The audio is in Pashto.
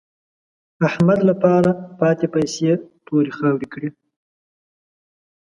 احمد له پاره پاتې پيسې تورې خاورې کړې.